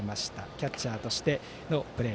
キャッチャーとしてプレー。